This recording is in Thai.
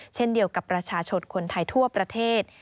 เช่นเดียวกับประชาชนคนไทยทั่วประเทศ